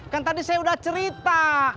kan tadi saya sudah cerita